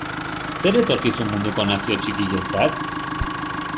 Zer etorkizun munduko nazio txikientzat?